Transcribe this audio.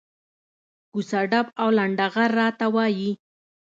کوڅه ډب او لنډه غر راته وایي.